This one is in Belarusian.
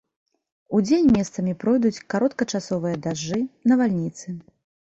Удзень месцамі пройдуць кароткачасовыя дажджы, навальніцы.